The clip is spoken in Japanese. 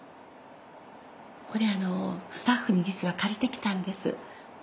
これスタッフに実は借りてきたんです。